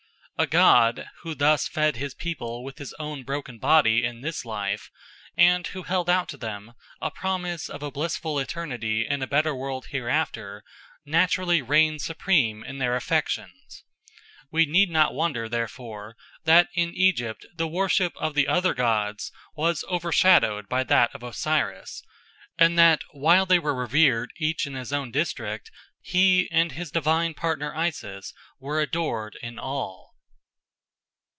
A god who thus fed his people with his own broken body in this life, and who held out to them a promise of a blissful eternity in a better world hereafter, naturally reigned supreme in their affections. We need not wonder, therefore, that in Egypt the worship of the other gods was overshadowed by that of Osiris, and that while they were revered each in his own district, he and his divine partner Isis were adored in all.